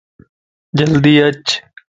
جلدي اچ